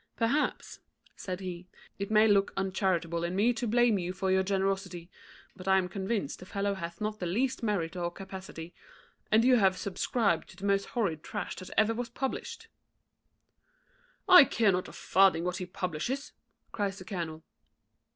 "Perhaps," said he, "it may look uncharitable in me to blame you for your generosity; but I am convinced the fellow hath not the least merit or capacity, and you have subscribed to the most horrid trash that ever was published." "I care not a farthing what he publishes," cries the colonel.